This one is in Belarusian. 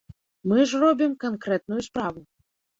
Мы ж робім канкрэтную справу.